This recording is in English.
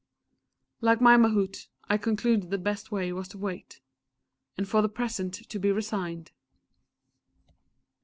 ... Like my Mahout, I concluded the best way was to wait and for the present to be resigned.